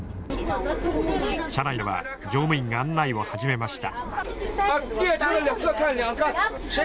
車内では乗務員が案内を始めました。